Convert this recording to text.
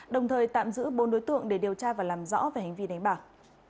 đồng thời tạm giữ bốn đối tượng để điều tra và làm rõ về hành vi đánh bạc